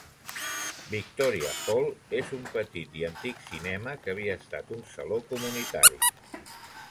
Victoria Hall és un petit i antic cinema que havia estat un saló comunitari.